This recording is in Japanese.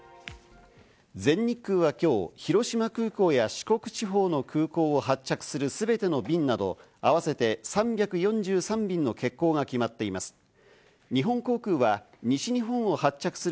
全日空は今日、広島空港や四国地方の空港を発着する全ての便など合わせて３４３便の欠航が決まっています。